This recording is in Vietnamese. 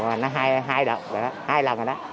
nó hai lần rồi đó